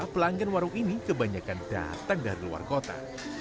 pelanggan warung ini kebanyakan datang dari luar kota